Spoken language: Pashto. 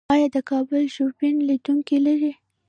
آیا د کابل ژوبڼ لیدونکي لري؟